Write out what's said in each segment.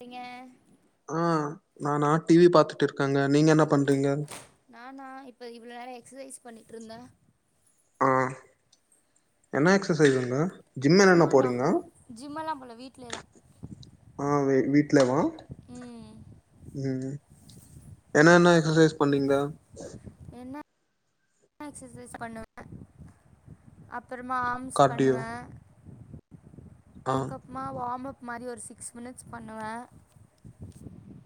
நீங்க ஆ நானா டிவி பாத்துட்டு இருக்கங்க நீங்க என்ன பண்றீங்க நானா இப்ப இவ்ள நேர எக்சசைஸ் பண்ணிட் இருந்த ஆ என்ன எக்ஸசைஸ்ங்க சும்மாணா ஜிம்மல்லாம் போல வீட்லயே தா ஆ வீட்லே வா ம் ம் என்ன என்ன எக்சசைஸ் பண்ணீங்க என்ன எக்ஸசைஸ் பண்ணுவ அப்றமா ஆம்ஸ் கார்டியோ பண்ணுவே ஆ அதுக்கப்மா வார்ம் அப் மாரி ஒரு சிக்ஸ் மினிட்ஸ் பண்ணுவே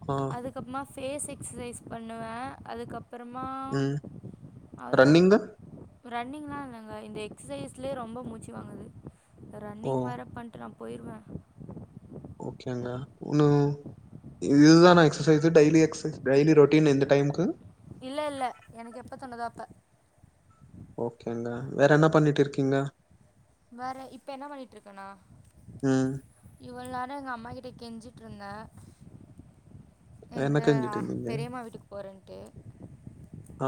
ஆ அதுக்கப்மா ஃபேஸ் எக்ஸ்சைஸ் பண்ணுவே அதுக்கப் அப்புறமா ம் அவ்ள்தா ரன்னிங்கு ரன்னிங்லா நாங்க இந்த எக்சைஸ்லே ரொம்ப மூச்சு வாங்குது ஓ ரன்னிங் வேர பண்ட்டு நா போயிருவ ஓகேன்னா உன்னு இதுதான exercise daily exercise daily routine இந்த டைமுகு இல்லல்ல எனக்கு எப்ப தோனுதோ அப்ப ஓகேங்க வேற என்ன பண்ணிட் இருக்கீங்க வேற இப்ப என்ன பண்ணிட்ருக்கணா ம் இவள் நேர எங்கம்மா கிட்ட கெஞ்சிட்ருந்தே என்ன எங்க செஞ்சுட்டு இருந்தீங்க பெரியம்மா வீட்டுக்கு போறேன்ட்டு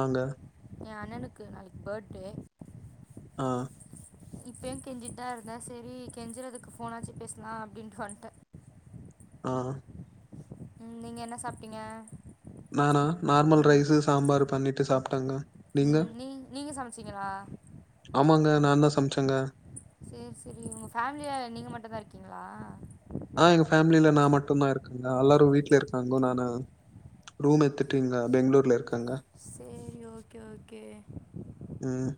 ஆங்க ஏ அண்ணனுக்கு நாளைக் பர்டே ஆ இப்ப யு கெஞ்சின்தா இருந்தே செரி கெஞ்சறதுக்கு போனாச்சு பேச்லா அப்டின்டு வன்ட்டே ஆ ம் நீங்க என்ன சாப்ட்டீங்க நானா நார்மல் ரைஸு சாம்பாரு பண்ணிட்டு சாப்டேங்க நீங்க ம் நீ நீங்கஸ் சமச்சிங்களா ஆமாங்க நா தா சம்ச்சங்க செர் செரி உங்க ஃபேமிலியா நீங்க மட்டு தா இருக்கீங்ளா ஆ எங்க ஃபேமிலில நா மட்டுதா இருக்கங்க அல்லாரு வீட்ல இருக்காங்கோ நானு ரூம் எத்துட்டீங்ளா பெங்களூர்ல இருக்கங்க சேரி ஓகே ஓகே ம்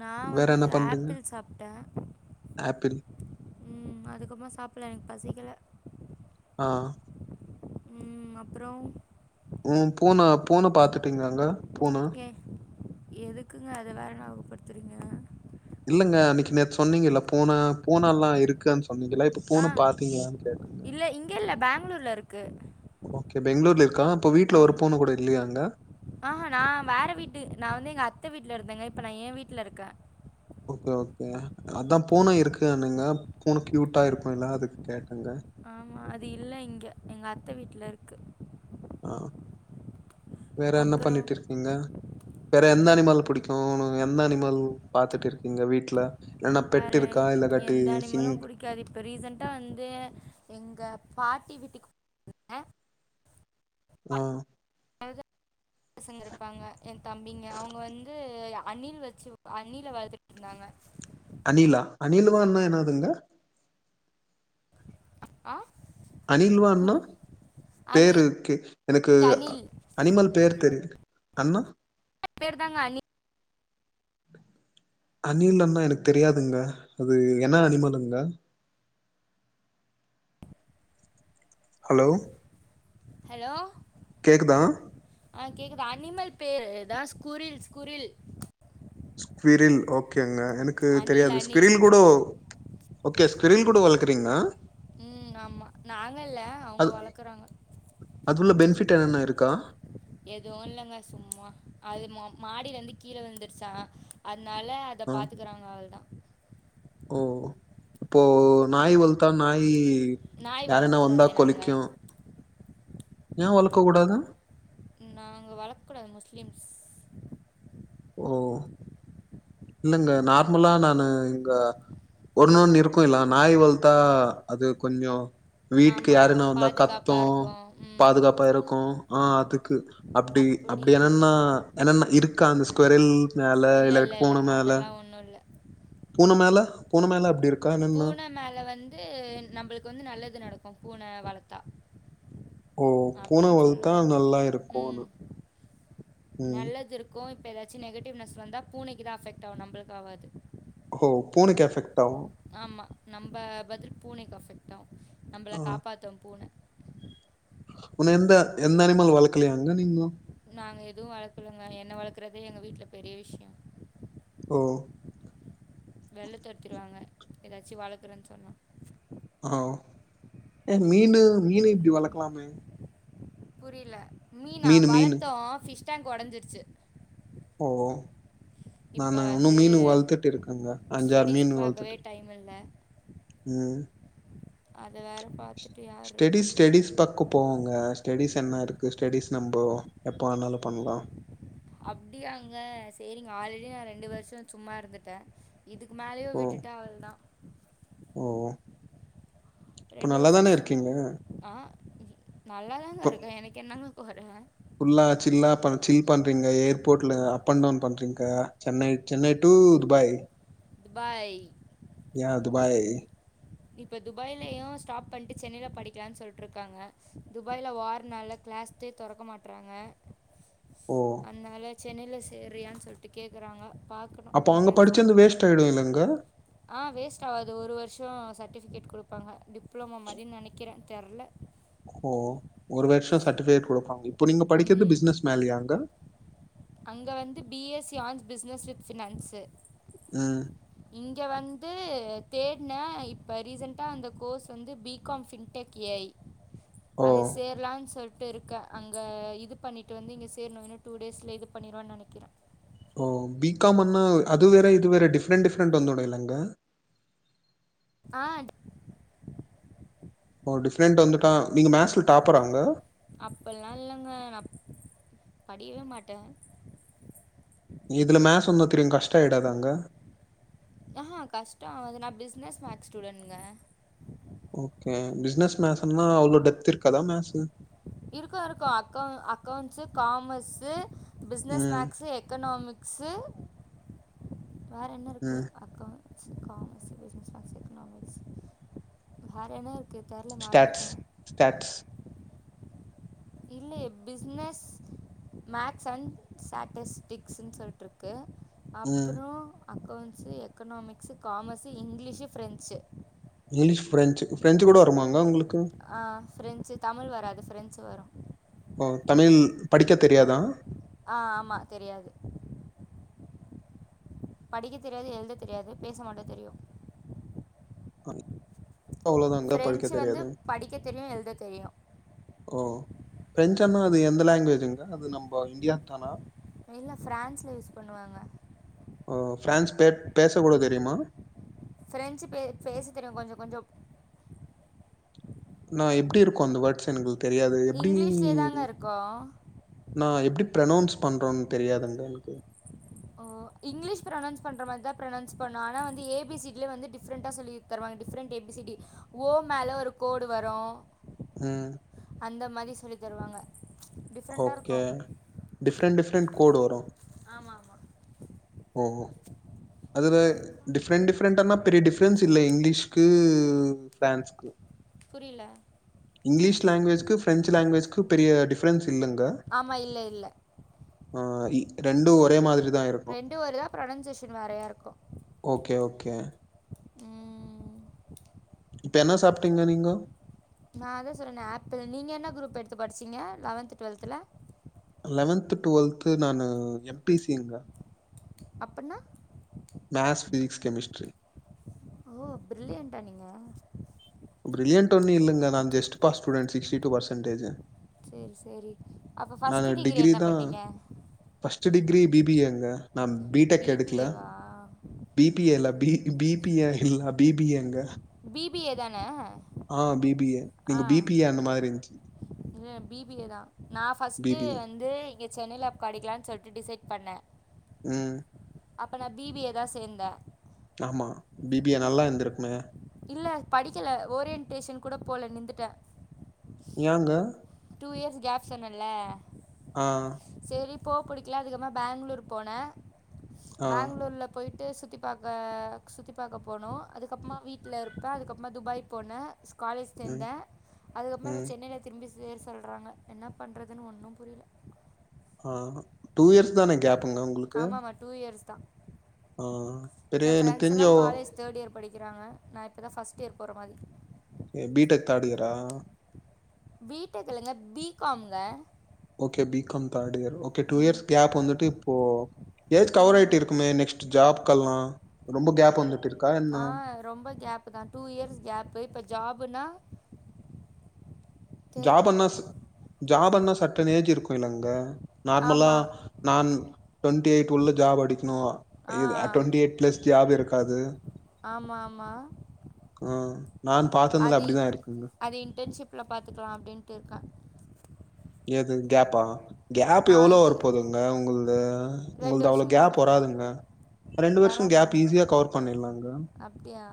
நா வேற வந்து என்ன பண்றீங்க? ஆப்பிள் சாப்ட்டே ஆப்பிள். ம் அதுக்கப்மா சாப்புல எனக் பசிக்கல ஆ ம் அப்றோ ம் பூன பூன பாத்துட்டீங்காங்க ஏ எதுக்குங்க அத வேற ஞாவுகபடுத்துறீங்க இல்லங்க அன்னக்கி நேத்து சொன்னீங்கல்ல பூன பூனல்லா இருக்கான் சொ பண்ணீங்கலா இப்ப ஆ பூன பாத்தீங்ளானு கேட்டுங்க ங்ளூர்ல இருக்கு ஓகே பெங்களூர்ல இருக்கா இப்போ வீட்ல ஒருப் பூன கூட இல்லியாங்க ஆஹா நா வேற வீட்டு நா வந்து எங்க அத்த வீட்ல இருந்தேங்க இப்ப நா எ வீட்லருக்கே ஓகே ஓககே அதா பூன இருக்குனுங்க பூன கியூட்டா இருக்குல்ல அதுக்கு கேட்டங்க ஆமா அது இல்ல இங்க எங்க அத்த வீட்ல இருக்கு ஆ வேற என்ன அப்புறம் பண்ணிட்ருக்கீங்க வேற எந்த என்ன அனிமல் புடிக்கு உனக்கு எந்த அனிமல் பாத்துட்டுருக்கீங்க வீட்ல என்ன பெட்டுருக்கா இல்லா கட்டி சீங்க் க இப்ப ரீசண்ட்டா வந்து எங்க பாட்டி வீட்டுக்கு ஆ ஆ வது பசங்க இருப்பாங்க என் தம்பிங்க அவுங்க வந்து அணில் வச்சு அணில வளத்துட் ருந்தாங்க அனிலா அனிலவான்னா என்னதுங்க அ அணில்வான்னா அனில் பேரு க்கு எனக்கு அனில் அனிமல் பேர் தெரியல அண்ணா பேர் தாங்க அணி அணில்லன்னா எனக்கு தெரியாதுங்க அது என்ன அனிமலுங்க ஹலோ ஹலோ கேக்குதா ஆ கேக்குதா அனிமல் பேரு தா ஸ்குரில் ஸ்குரில் ஸ்கிரில் ஓகேங்க எனக்கு அனில் தெரியாது அனில் ஸ்கிரில் கூட ஓகே ஸ்க்ரில் கூட வளக்றீங்ளா ம் ஆமா நாங்கல்ல அவங்க அது வளக்குறாங்க அதுல பெனிஃபிட் என்னென்ன இருக்கா எதுவு இல்லங்க சும்மா அது மாடில லந்து கீழ விழுந்துர்ச்சா அத்னால இத ஆ பாத்துக்குறாங்க அவுள்தா ஓ இப்போ நாய் வளத்தா நாய் நாய் யார ன்னா வந்தா வளர்க்கக்கூடாதே கொளொக்கு நாங்கள் ஏ வளக்க கூடாது நாங்க வளக்கூடாது முஸ்லீம்ஸ் ஓ இல்லங்க நார்மலா நா இங்க ஒன்னொ ண் இருக்குல்லா நாய் வளத்தா அது கொஞ்சொ வீட்டுக்கு யாருன்னா ஆமாம் வந்தா கத்து பாதுகாப்பாக இருக்கோம் ம் பாதுகாப்பா இருக்கு ஆ அதுக்கு அப்டி அப்படி அப்டி இல்லை எனன்னா எனன்னா இருக்கா அந்த தொரில் மேல இல்லை இல்ல இல்லை பூன இல்லை மேல அதெல்லாம் ஒன்றும் இல்லை பூன மேல பூன மேல அப்டி இருக் பூன மேல வந்து நம்மளுக்கு வந்து நல்லது நடக்கு பூன வளத்தா ஓ பூன வளத்தா நல்லா இருக்கு ம் அந்த ம் கு இப்பதாச்சு நெகட்டிவ்னஸ் வந்தா பூனக்குதா எஃபக்ட் ஆகு நமளுக்கு ஆகாது ஓ பூனெக்கு எபெக்ட் ஆகு ஆமா நம்ம பதிரி பூனைக்கு அஃபெக்ட் ஆம் நம்மள ஆ காப்பாத்தும் பூன உன்ன எந்த எந்த அனிமல் வளக்கலயாங்க நீங்க நாங்க எதுவு வளக்கலங்க என்ன வளக்குறதே எங்க வீட்ல பெரிய விஷ்யொ ஓ வெள்ள தொறத்திர்வாங்க ஏதாச்சு வளக்குறேன் சொன்னா ஆஒ ஏ ம், மீனு மீன் இப்டி வளக்லாமே புரியல மீனா மீனு மீனு வளத்தோ பிஷ் டேங்க் ஒடஞ்சிர்ச்சு ஓ இப்போ நானு ன்னும் வந்து மீனு வளத்துட்டு இருக்கங்க அஞ்சாற் ஸ்டடீஸ் மீன் பார்க்கவே வளத்துட்டு டைம் இல்ல ம் அது வேற பாத் ஸ்டடிஸ் ஸ்டடிஸ் பக்கொ போங்க ஸ்டஸ் என்ன ர்க்கு ஸ்டெடிஸ் நம்மபொ எப்போ வேணாலு பண்லா அப்டியாங்க சேரிங்க ஆல்ரெடி நா ரெண்டு வர்ஷொ சும்மா இருந்துட்ட இதுக்கு மேலேயு ஓ விட்டுட்டா அவுள் தா ஓ இப்ப ரெண்டு நல்லாதான வருஷம் சும்மா இருக்கீங்க ஆ நல்லாதாங்க இப்ப இருக்க எனக்கென்னங்க கொற ஃபுல்லா சில்லா சில் பண்றீங்க ஏர்போட்ல அப் அண் டவுன் பண்றீங்க சென்னை சென்னை டூ துபாய் பாய் யா துபாய் இப்ப துபாய்லயு ஸ்டாப் பண்ணிட்டு சென்னையில படிக்கலானு சொல்லிட்டு இருக்காங்க துபாய்ல வார்னால கிளாஸ்தே தொறக்க மாட்டுறாங்க ஓ அதனால சென்னையில சேறியான்னு சொல்லிட்டு கேக்குறாங்க பா அப்போ அங்க படிச்சது வேஸ்ட் ஆயிடு இல்லங்க ஆ வேஸ்ட் ஆகாது ஒரு வருஷோ சர்ட்டிபிகேட் குடுப்பாங்க டிப்ளமோ மாதிரின்னு நினைக்கற தெர்ல ஓ ஒரு வருஷோ சர்ட்டிபிகேட் குடுப்பாங்க இப்போ நீங்க படிக்கிறது பிசினஸ் மேன்லயாங்க அங்க வந்து B S C on business with finance ஆ இங்க வந்து தேடுன இப்போ ரீசண்டா அந்த கோர்ஸ் வந்து B com fintech A I ஓ அது சேரலானு சொல்லிட்டு இருக்க அங்க இது பண்ணிட்டு வந்து இங்க சேரணு இன்னு டூ டேஸ்ல இது பண்ணிருவென்னு நெனைக்கிற ஓ பி காம் அன்னா அது வேற இது வேற டிஃப்ரென்ண்ட் டிஃப்ரெண்ட் வந்துடு இல்லங்க ஆ ஓ டிஃப்ரெண்ட் வந்துட்டா நீங்க மேக்ஸ்ல டாப்பராங்க அப்பல்லா இல்லங்க நா படிக்கவே மாட்ட இதுல மேஸ் ஒன்னு தெரியு கஷ்டோ ஆயிடாதாங்க ஆ அ கஷ்டோ ஆகாது நா பிஸ்னஸ் மேக்ஸ் ஸ்டூடெண்டுங்க ஓகே பிசினஸ் மேஸ்னா அவ்ளோ டெப்த் இருக்காதா மேஸ்ஸூ இருக்கு இருக்கு அக்கௌ அக்கௌண்ஸு காமர்ஸ்ஸு பிஸ்னஸ் ம் மேக்ஸு எக்கனாமிக் ஸு வேறு என்ன இருக்கு ம் அக்கௌ accounts commerce business maths economics வேற என்னோ ஸ்டட்ஸ் ஸ்டட்ஸ் இல்லயே பிஸ்னஸ் மேக்ஸ் அண்ட் ஸ்டாட்டிஸ்டிக்ஸ்ன்னு சொல்லிட்ருக்கு இருக்கு ம் அப்புறோ accounts economics commerce English French English French French கூட வருமாங்க உங்களுக்கு ஆ ஃபிரென்சு தமிழ் வராது ஃபிரென்சு வரு ஓ தமிழ் படிக்க தெரியாதா ஆ ஆமா தெரியாது படிக்க தெரியாது எழுத தெரியாது பேச மட்டு தெரியு அவ்ளோதாங்க படிக்க ஃப்ரெஞ்சு வந்து தெரியாது படிக்க தெரியும் எழுத தெரியும் ஓ ஃபிரெஞ்சனா அது எந்த லாங்குவேஜுங்க அது நம்ம இந்தியா தானா இல்ல ஃபிரான்ஸ்ல யூஸ் பண்ணுவாங்க ஓ ஃபிரான்ஸ் பே பேசக்கூட தெரியுமா ஃபிரென்சு பே பேச தெரியு கொஞ்சோ கொஞ்சோ நா எப்படி இருக்கு அந்த வேட்ஸ் எனக்கு தெரியாது அது எப்டி இங்கிலீஷ்லேயே தாங்க இருக்கும் நா எப்படி ப்ரனௌன்ஸ் பண்றோன்னு தெரியாதுங்க எனக்கு ஓ இங்கிலிஷ் ப்ரொனௌன்ஸ் பண்ற மாதிரி தா ப்ரௌனௌன்ஸ் பண்ணு ஆனா வந்து ஏ பி சி டி ல வந்து டிஃப்ரென்ட் ஆ சொல்லி தருவாங்க different A B C D ஓ மேல ஒரு கோடு வரு ம் அந்த மாதிரி சொல்லி தருவாங்க டிஃப்ரெண்ட்டாக ஓகே இருக்கும் டிஃப்ரெண்ட் டிஃப்ரெண்ட் கோடு வரு ஆமா ஆமா ஓ ஒ அதுல டிஃப்ரெண்ட் டிஃப்ரெண்டானா பெரிய டிஃபரென்ஸ் இல்ல இங்கிலீஷ்கு பிரான்ஸ்கு புரில இங்கிலீஷ் லாங்குவேஜ்கு பிரெஞ்ச் லாங்குவேஜ்கும் பெரிய டிப் ஆமா இல்ல இல்ல ஆ ரெண்டும் ஒரே மாரிதான் இருக்கும் ரெண்டு ஒரு தான் ப்ரொனன்சியேஷன் வேறையாக இருக்கும் ஓகே ஓகே ம் இப்ப என்ன சாப்பிட்டீங்கோ நீங்க நான் அதான் சொல்றேனே ஆப்பிள் நீங்கள் என்ன குரூப் எடுத்து படிச்சீங்க லெவன்த் டுவல்த்தில லெவன்த் டுவெல்து நானு எம் பி சிங்க அப்டினா மேத்ஸ் பிசிக்ஸ் கெமிஸ்ட்ரி ஓ பிரில்லியன்ட்டா நீங்க பிர்லியன்ட்லா ஒன்னு இல்லிங்க நான் just pass student sixty two percentage செரி செரி அப்ப ஃபஸ்ட் நானு டிகிரி என்ன தான் பண்ணீங்க first degree B B A ங்க நான் பி டெக் எடுக்ல பிபிஏவா பி பி ஏ இல்ல B B B A love அப்டி பி பி ஏங்க பி பி ஏ தானே ஆ பி பி ஏ நீங்க பி பி அந்த மாரி இருந்துச்சு இல்ல பி பி ஏ தான் நான் ஃபஸ்ட் பிபிஏ வந்து இங்க சென்னைலப் படிக்கலாம்னு சொல்லிட்டு டிசைட் பண்ணேன் ம் அப்ப நான் பி பி ஏ தான் சேந்தேன் ஆமா பி பி ஏ நல்லா இருந்திருக்குமே இல்ல படிக்கல ஓரியன்டேஷன் கூட போல நிந்துட்டேன் ஏங்க டூ இயர்ஸ் கேப் சொன்னல்ல ஆஹ் சரி போ புடிக்கல அதிகப்பறம் பேங்களூர் போனே ஆ பேங்களூர்ல போயிட்டு சுத்தி ப் பாக்க சுத்தி பாக்க போனோம் அதுக்கப்புறமா வீட்டில இருப்பேன் அதுக்கப்புறமா துபாய் போனேன் ஸ்காலேஜ் ம் சேந்தேன் அதுக்கப்புறமா இப்ப ம் சென்னைல திரும்பி சேர சொல்றாங்க என்ன பண்றதுன்னு ஒன்னும் புரியல ஆஹ் டூ இயர்ஸ் தானே கேப் ஆமாமா டூ இயர்ஸ் தான் ஆஹ் செரி என் எனக்கு ஃப்ரெண்ட்ஸ் தெரிஞ்சோ எல்லாம் காலேஜ் தேர்ட் இயர் படிக்கிறாங்க நான் இப்போ தான் ஃபஸ்ட் இயர் போற மாதிரி ஏ பி டெக் தேர்டு இயரா பி டெக் இல்லங்க பி காம் ங்க okay B com third year okay two ம் இயர்ஸ் கேப் வந்துட்டு இப்போ ஏஜ் கவர் திரும்பி ஆயிட்டு இருக்குமே நெக்ஸ்ட் ஜாப் கெல்லாம் ரொம்ப கேப் வந்துட்டு இருக் ஆஹ் ரொம்ப கேப் தான் டூ இயர்ஸ் கேப்பு இப்ப ஜாப்னா ஜாபன்னா ச ஜாபன்னா சட்டர்ன் ஏஜ் இருக்கும் இல்லங்க நார்மலா ஆமாம் நான் டவெண்ட்டி எயிட் உள்ள ஜாப் அடிக்கணும் ஆ டுவெண்டி எயிட் பிளஸ் ஜாப் இருக்காது ஆமா ஆமா ஆஹ் நான் பாத்ததுல அது அப்படிதான் இருக்குங்க அது இன்டர்ன்ஷிப் ள்ள பாத்துக்கல அப்டின்ட்டு இருக்கே எது கேப்பா கேப் ஆ எவ்ளோ வர கே போதுங்க உங்களது ரெண்டு உங்களது அவ்ளோ வருஷம் கேப் கேப்பு வராதுங்க ரெண்டு வருஷம் வராதா கேப் ஈஸியாக கவர் பண்ணிடலாங்க அப்டியா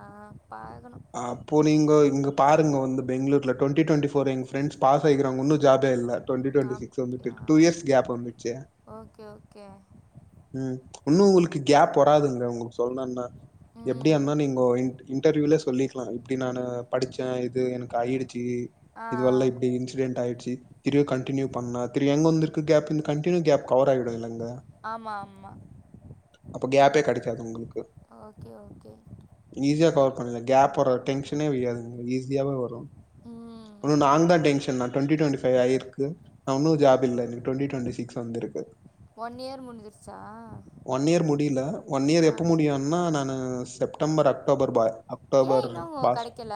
பாக்கணும் அப்போ நீங்கோ இங்க பாருங்கோ வந்து பெங்களூர டுவெண்ட்டி டுவெண்டி ஃபோர் என் ஃப்ரண்ட்ஸ் பாஸ் ஆகிக்கிறாங்க ஒன்னும் ஜாபே இல்ல டவெண்டி டுவெண்டி சிக்ஸ் வந்துட்டு அப்படியா இருக்கு டூ இயர்ஸ் கேப் வந்துச்சு ஓகே ஓகே ம் இன்னு உங்களுக்கு கேப் வராதுங்க உங்களுக்கு சொல்லணும்னா எப்டி ம் [unintelligible] நீங்கோ இன்ட் இன்டர்வியூல சொல்லிக்கல இப்டி நானு படிச்சே இது எனக்கு ஆயிடுச்சு ஆ இதுவல்லா இப்டி இன்சிடென்ட் ஆயிடுச்சி திருயு கண்டின்யூ பண்ணா திரியு எங்க வந்து இரு கேப் இந்த கண்டினியூ கேப் கவர் ஆயிடு இல்லங்க ஆமா ஆமா அப்ப கேப்பே கெடைக்காது உங்களுக்கு ஓகே ஓகே ஈஸியா கவர் பண்ணல கேப் வர டென்ஷனே [inaudible] ஈஸியாவே வரு ம் ஒன்க்கு நா தா டென் [unintelligible] டுவெண்ட்டி டுவெண்ட்டி ஃபைவ் ஆயிருக்கு நா ஒன்னு ஜாப் இல்ல எனக்கு வெண்டி டுவெண்டி சிகஸ் வந்த இருக்கு ஒன் இயர் முடிஞ்சிருச்சா ஒன் இயர் முடில ஒன் இயர் ஆ எப்ப முடியும் இன்னா நானு செப்டம்பர் அக்டோபர் பாய் ஏன் அக்டோபர் இன்னும் பாஸ் கிடைக்கல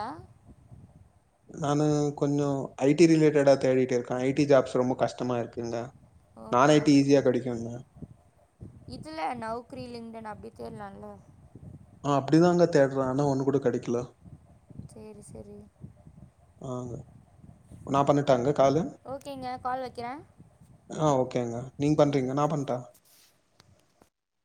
நானு கொஞ்சோ ஐ டி ரிலேட்டடா தேடிட்டு இருக்கே ஐ டி ஜாப்ஸ் ரொம்ப கஷ்டமா இருக்குங்க நான் ஐ டி ஈஸியா கெடைக்குங்க இதுல நவுக்ரீலெந்து நா அப்டி தேட்லாம்ல ஆ அப்டிதாங்க தேடுற ஆனா ஒண்ணு கூட கெடைக்கல சேரி சேரி ஆங்க நா பண்ணட்டாங்க காலு ஓகேங்க கால் வைக்கிறே ஆ ஓகேங்க நீங்க பண்றீங்க நா பண்டா